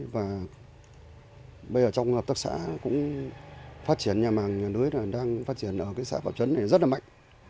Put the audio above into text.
và bây giờ trong tất cả xã cũng phát triển nhà màng nhà lưới đang phát triển ở xã phạm trấn này rất là mạnh